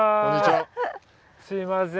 すいません。